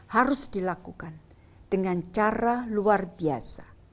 harus dilakukan dengan cara luar biasa